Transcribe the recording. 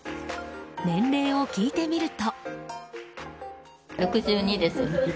年齢を聞いてみると。